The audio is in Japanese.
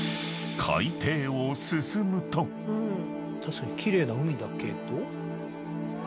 確かに奇麗な海だけど。